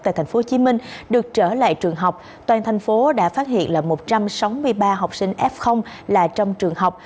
tại tp hcm được trở lại trường học toàn thành phố đã phát hiện là một trăm sáu mươi ba học sinh f là trong trường học